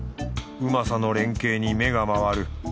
うまさの連携に目が回る。